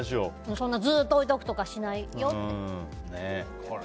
ずっと置いておくとかしないよって。